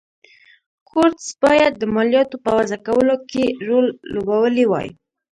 کورتس باید د مالیاتو په وضعه کولو کې رول لوبولی وای.